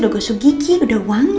udah gosok gigi udah wangi